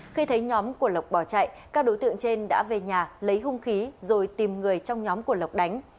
khi thấy nhóm của lộc bỏ chạy các đối tượng trên đã về nhà lấy hung khí rồi tìm người trong nhóm của lộc đánh